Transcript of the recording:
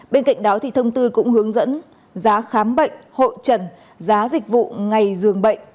bên cạnh đó thông tư cũng hướng dẫn giá khám bệnh hội trần giá dịch vụ ngày dường bệnh